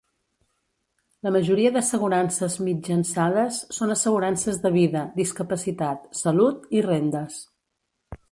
La majoria d'assegurances mitjançades són assegurances de vida, discapacitat, salut i rendes.